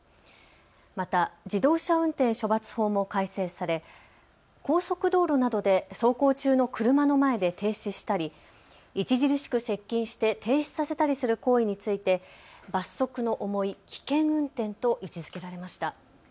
また、自動車運転処罰法も改正され、高速道路などで走行中の車の前で停止したり著しく接近して停止させたりする行為について罰則の重い危険運転と位置づけられました。